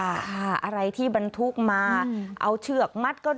อะไรที่บรรทุกมาเอาเชือกมัดก็